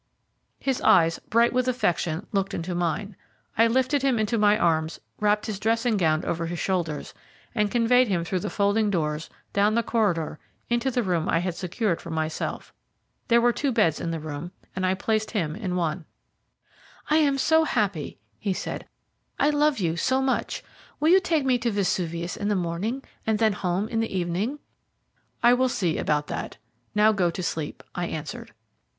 His eyes, bright with affection, looked into mine. I lifted him into my arms, wrapped his dressing gown over his shoulders, and conveyed him through the folding doors, down the corridor, into the room I had secured for myself. There were two beds in the room, and I placed him in one. "I am so happy," he said, "I love you so much. Will you take me to Vesuvius in the morning, and then home in the evening?" "I will see about that. Now go to sleep," I answered.